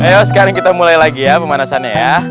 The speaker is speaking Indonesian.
ayo sekarang kita mulai lagi ya pemanasannya ya